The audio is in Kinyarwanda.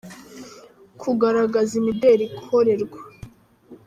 kugaragaza imideli ikorerwa.